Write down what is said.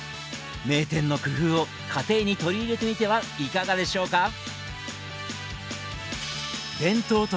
名店の工夫を家庭に取り入れてみてはいかがでしょうか？